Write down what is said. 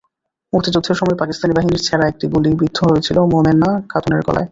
মুক্তিযুদ্ধের সময় পাকিস্তানি বাহিনীর ছোড়া একটি গুলি বিদ্ধ হয়েছিল মোমেনা খাতুনের গলায়।